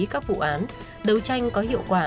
các vụ án đấu tranh có hiệu quả